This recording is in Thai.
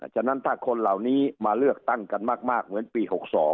ฉะนั้นถ้าคนเหล่านี้มาเลือกตั้งกันมากเหมือนปี๖๒